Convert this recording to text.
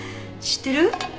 知ってる？